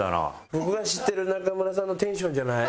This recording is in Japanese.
僕が知ってる中村さんのテンションじゃない。